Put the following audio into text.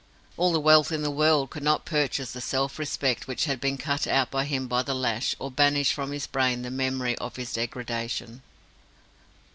All the wealth in the world could not purchase the self respect which had been cut out of him by the lash, or banish from his brain the memory of his degradation.